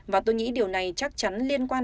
và tôi nghĩ điều này chắc chắn liên quan